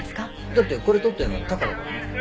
だってこれ撮ってんのタカだからね。